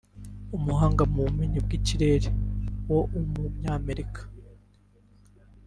umuhanga mu by’ubumenyi bw’ikirere w’umunyamerika